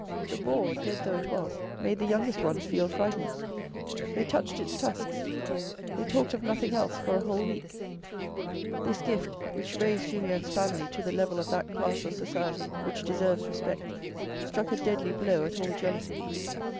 The boar, dead though it was, made the youngest ones feel frightened. They touched its tusks. They talked of nothing else for a whole week. This gift, which raised Julien's family to the level of that class of society which deserves respect, struck a deadly blow at all jealousy.